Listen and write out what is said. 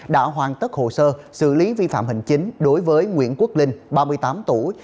đã hoàn tất hồ sơ xử lý vi phạm hành chính đối với nguyễn quốc linh ba mươi tám tuổi